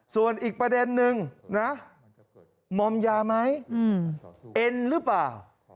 ส่วนอีกประเด็นนึงนะมอมยาไหมเอ็นหรือเปล่า